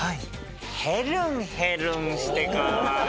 ヘルンヘルンして可愛い！